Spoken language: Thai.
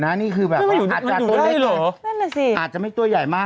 นั่นมาให้ดูได้หรืออาจจะไม่ตัวใหญ่มาก